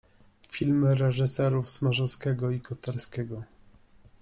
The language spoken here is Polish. Filmy reżyserów Smarzowskiego i Koterskiego.